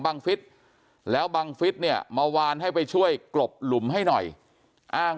ฟิศแล้วบังฟิศเนี่ยมาวานให้ไปช่วยกลบหลุมให้หน่อยอ้าง